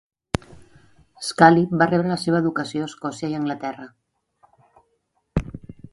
Schally va rebre la seva educació a Escòcia i a Anglaterra.